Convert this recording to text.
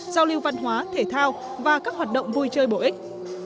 giao lưu văn hóa thể thao và các hoạt động vui chơi bổ ích